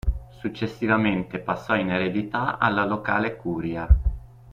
Successivamente passò in eredità alla locale curia.